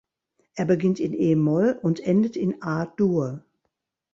Er beginnt in e-Moll und endet in A-Dur.